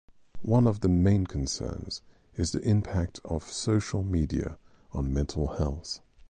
One of the main concerns is the impact of social media on mental health.